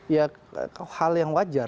ya hal yang wajar